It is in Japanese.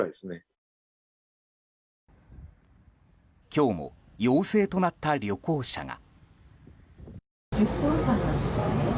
今日も陽性となった旅行者が。